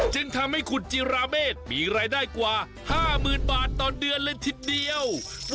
จึงทำให้คุณจิราเมฆมีรายได้กว่า๕๐๐๐บาทต่อเดือนเลยทีเดียว